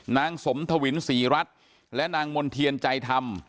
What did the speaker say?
นางสมทวินศรีรัตน์และนางมลเทียนใจทำ